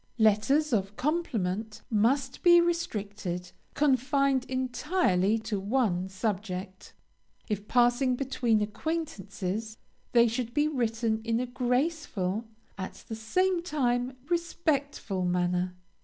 LETTERS OF COMPLIMENT must be restricted, confined entirely to one subject. If passing between acquaintances, they should be written in a graceful, at the same time respectful, manner.